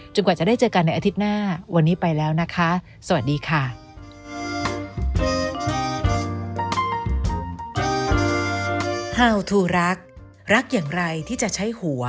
กว่าจะได้เจอกันในอาทิตย์หน้าวันนี้ไปแล้วนะคะสวัสดีค่ะ